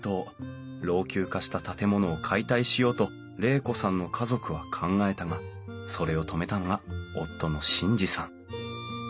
老朽化した建物を解体しようと玲子さんの家族は考えたがそれを止めたのが夫の眞二さん。